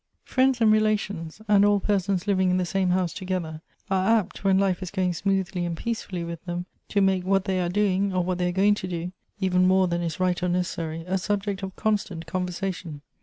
FRIENDS and relations, and all persons living in the same house together, are apt, when life is going smootlily and peacefully with them, to make what they are doing, or what they are going to do, even more than is right or necessary, a subject of constant conversation.